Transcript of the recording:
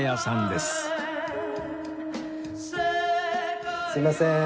すいません。